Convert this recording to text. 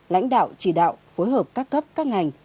lãnh đạo chỉ đạo phối hợp các cấp các ngành